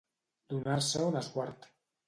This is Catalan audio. Donar-se un esguard.